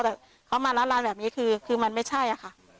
แต่เขามาร้านแบบนี้คือมันไม่ใช่อะค่ะ